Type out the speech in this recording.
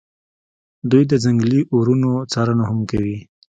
دوی د ځنګلي اورونو څارنه هم کوي